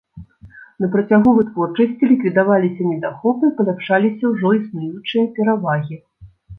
На працягу вытворчасці ліквідаваліся недахопы і паляпшаліся ўжо існуючыя перавагі.